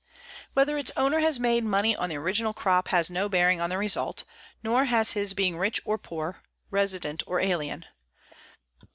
Whether its owner has made money on the original crop has no bearing on the result, nor has his being rich or poor, resident or alien.